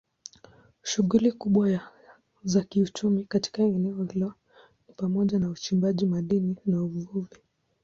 Shughuli kubwa za kiuchumi katika eneo hilo ni pamoja na uchimbaji madini na uvuvi.